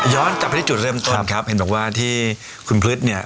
กลับไปที่จุดเริ่มต้นครับเห็นบอกว่าที่คุณพฤษเนี่ย